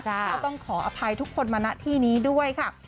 ก็ต้องขออภัยทุกคนมาณที่นี้ด้วยค่ะ